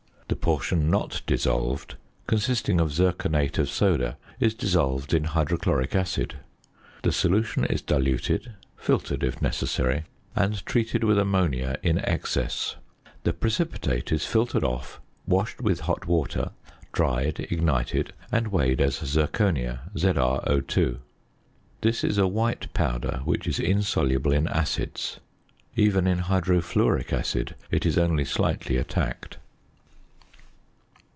The portion not dissolved, consisting of zirconate of soda, is dissolved in hydrochloric acid. The solution is diluted, filtered if necessary, and treated with ammonia in excess. The precipitate is filtered off, washed with hot water, dried, ignited, and weighed as zirconia, ZrO_. This is a white powder, which is insoluble in acids; even in hydrofluoric acid it is only slightly attacked.